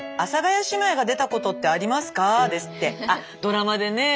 あドラマでねえ